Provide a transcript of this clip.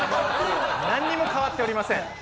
何も変わっておりません。